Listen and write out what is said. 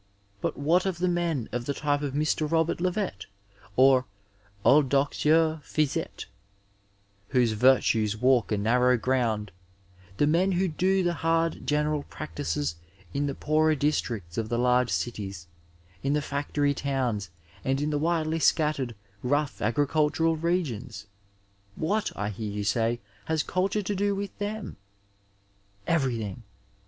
But what of the men of the type of Mr. Robert Levet, or *^01e Docteur Fiset," whose virtues walk a narrow round, the men who do the hard general practices in the poorer districts of the large cities, in the factory towns and in the widely scattered rough agricultural re gions—what, I hear you say^ has culture to do with them ? Everything